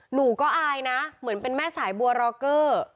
หนูก็อายนะเหมือนเป็นแม่สายบัวรอเกอร์